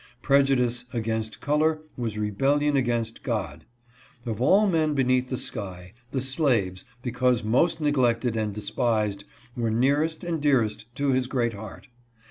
Prejudice against color was rebellion against God. Of all men beneath the sky, the slaves, because most neglected and despised, were nearest and dearest to his great heart.